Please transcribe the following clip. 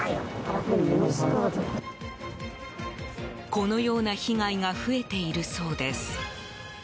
このような被害が増えているそうです。